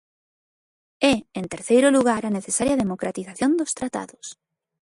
E, en terceiro lugar, a necesaria democratización dos tratados.